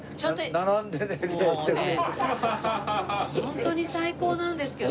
ホントに最高なんですけど徳さん。